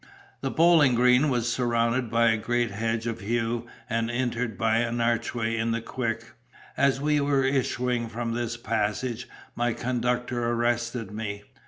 The bowling green was surrounded by a great hedge of yew, and entered by an archway in the quick. As we were issuing from this passage, my conductor arrested me.